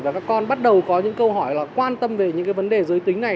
và các con bắt đầu có những câu hỏi là quan tâm về những cái vấn đề giới tính này